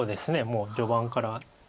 もう序盤から。